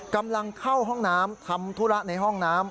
กำลังเข้าห้องน้ำทำธุระในห้องน้ำ